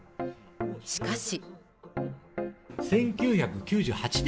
しかし。